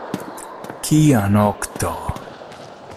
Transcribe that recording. Kia nokto!